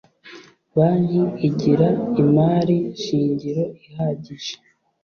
banki igira imari shingiro ihagije